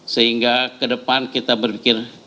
sehingga kedepan kita berpikir